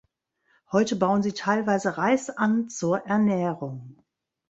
Heute bauen sie teilweise Reis an zur Ernährung.